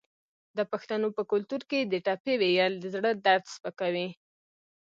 د پښتنو په کلتور کې د ټپې ویل د زړه درد سپکوي.